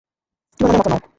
তুমি অন্যদের মতো নও।